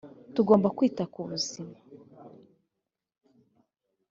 tugomba kwita ku buzima.